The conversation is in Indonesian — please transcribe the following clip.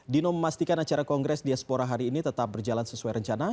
dino memastikan acara kongres diaspora hari ini tetap berjalan sesuai rencana